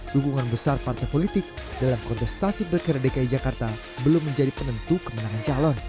dukungan besar partai politik dalam kontestasi pilkada dki jakarta belum menjadi penentu kemenangan calon